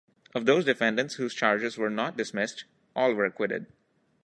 Of those defendants whose charges were not dismissed, all were acquitted.